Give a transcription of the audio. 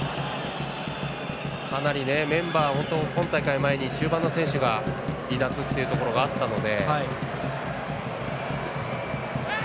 かなりメンバーを今大会前に中盤の選手が離脱っていうところがあったので。